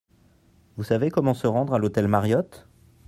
Vous savez comment se rendre à l'hôtel Mariott ?